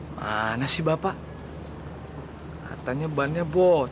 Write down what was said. mana sih bapak katanya bannya bocor